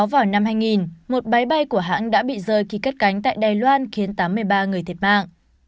vào năm hai nghìn một máy bay của hãng đã bị rơi khi cất cánh tại đài loan khiến tám mươi ba người thiệt mạng